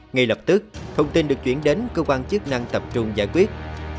ngay lập tức thông tin được chuyển đến cơ quan chức năng tập trung giải quyết